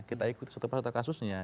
kita ikut satu persata kasusnya